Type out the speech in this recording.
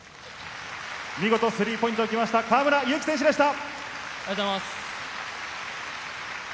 見事スリーポイントを決めました河村勇輝選手でした。